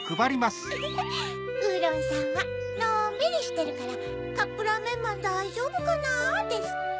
ウフフ「ウーロンさんはのんびりしてるからカップラーメンマンだいじょうぶかな」ですって。